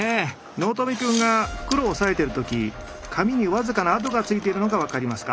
納富君が袋を押さえてる時紙に僅かな跡がついているのが分かりますか？